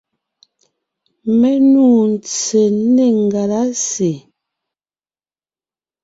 Mé nû ntse nê ngelásè.